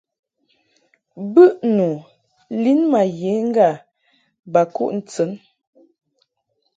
Bɨʼnu lin ma ye ŋga ba kuʼ ntɨn.